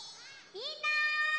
みんな。